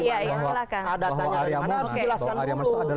ada tanya dimana harus dijelaskan dulu